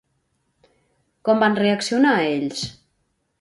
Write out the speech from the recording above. Com van reaccionar ells?